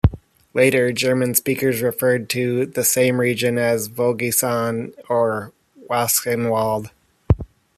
Later, German speakers referred to the same region as "Vogesen" or "Wasgenwald".